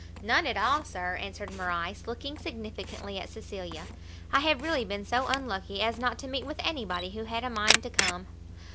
"None at all, sir," answered Morrice, looking significantly at Cecilia; "I have really been so unlucky as not to meet with any body who had a mind to come."